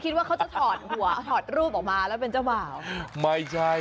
ใช่พี่เซนคิดว่าเขาจะถอดหัวถอดรูปออกมาแล้วเป็นเจ้าบ่าว